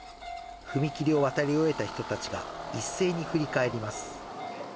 踏切を渡り終えた人たちが、一斉に振り返ります。